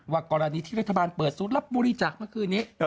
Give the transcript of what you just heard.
กรณีที่รัฐบาลเปิดศูนย์รับบริจาคเมื่อคืนนี้